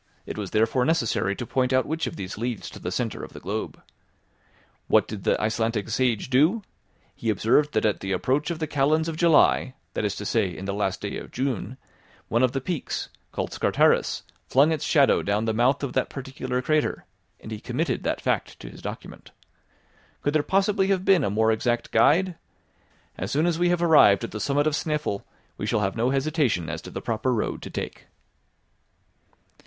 It was therefore necessary to point out which of these leads to the centre of the globe. What did the Icelandic sage do? He observed that at the approach of the kalends of July, that is to say in the last days of June, one of the peaks, called Scartaris, flung its shadow down the mouth of that particular crater, and he committed that fact to his document. Could there possibly have been a more exact guide? As soon as we have arrived at the summit of Snæfell we shall have no hesitation as to the proper road to take."